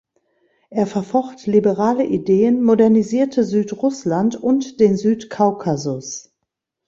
Er verfocht liberale Ideen, modernisierte Südrussland und den Südkaukasus.